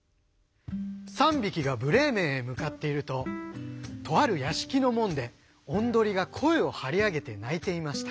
３匹がブレーメンへ向かっているととある屋敷の門でおんどりが声を張り上げて鳴いていました。